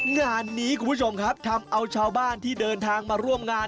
งานนี้คุณผู้ชมครับทำเอาชาวบ้านที่เดินทางมาร่วมงาน